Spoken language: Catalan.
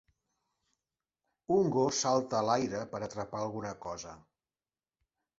Un gos salta a l'aire per atrapar alguna cosa.